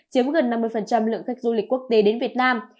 chiếm gần năm mươi lượng khách du lịch quốc tế đến việt nam